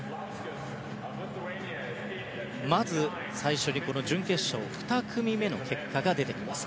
まず、最初に準決勝２組目の結果が出てきます。